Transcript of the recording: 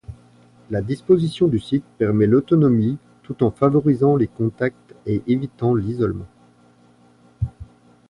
La disposition du site permet l’autonomie tout en favorisant les contacts et évitant l’isolement.